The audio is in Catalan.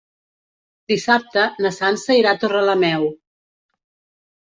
Dissabte na Sança irà a Torrelameu.